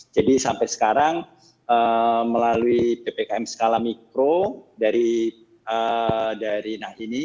jadi sampai sekarang melalui ppkm skala mikro dari nah ini